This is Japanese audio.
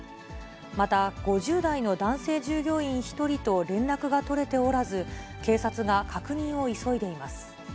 また、５０代の男性従業員１人と連絡が取れておらず、警察が確認を急いでいます。